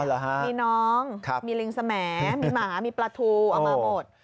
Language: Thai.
อ๋อเหรอฮะครับมีน้องมีลิงแสมมมีหมามีปลาทูเอามาหมด